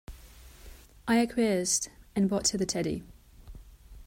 I acquiesced and bought her the teddy!.